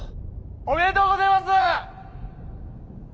おめでとうごぜます！